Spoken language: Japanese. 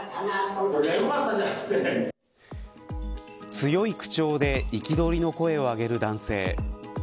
強い口調で憤りの声を上げる男性。